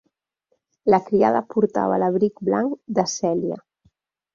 La criada portava l'abric blanc de Celia.